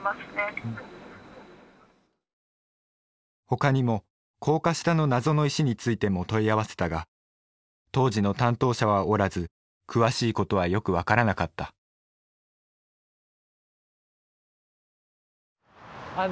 他にも高架下の謎の石についても問い合わせたが当時の担当者はおらず詳しいことはよく分からなかったあ